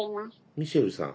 ミシェルさん。